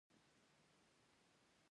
په شریکه خوړل مینه او ورورولي زیاتوي.